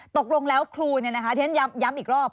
ตกลงแล้วครูย้ำอีกรอบ